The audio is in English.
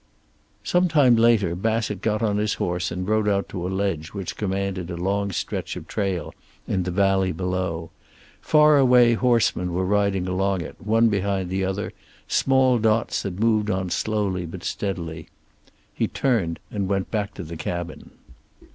Sometime later Bassett got on his horse and rode out to a ledge which commanded a long stretch of trail in the valley below. Far away horsemen were riding along it, one behind the other, small dots that moved on slowly but steadily. He turned and went back to the cabin.